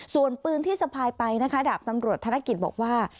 ส่วนปืนที่สะพายไปนะคะดาบตำรวจธนกิจบอกว่า